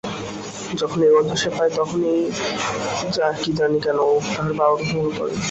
যখনই এ গন্ধ সে পায় তখনই কি জানি কেন তাহার বাবার কথা মনে পড়ে।